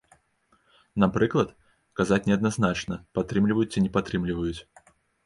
Напрыклад, казаць неадназначна, падтрымліваюць ці не падтрымліваюць.